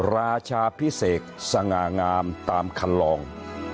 ราชาพิเศษสง่างามตามคันลอง